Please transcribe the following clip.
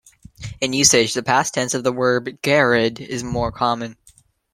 In usage, the past tense of the verb, "gheraoed", is more common.